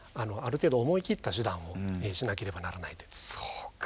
そうか。